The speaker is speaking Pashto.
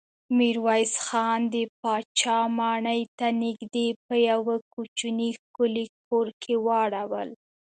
ميرويس خان د پاچا ماڼۍ ته نږدې په يوه کوچيني ښکلي کور کې واړول.